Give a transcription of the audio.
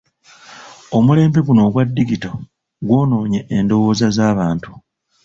Omulembe guno ogwa digito gwonoonye endowooza z'abantu.